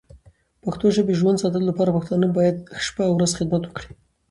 پښتو ژبی ژوندی ساتلو لپاره پښتانه باید شپه او ورځ خدمت وکړې.